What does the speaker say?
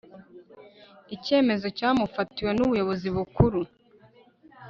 icyemezo cyamufatiwe n ubuyobozi bukuru